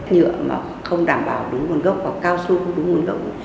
nhựa mà không đảm bảo đúng nguồn gốc và cao su không đúng nguồn động